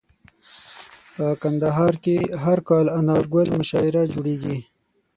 په کندهار کي هر کال انارګل مشاعره جوړیږي.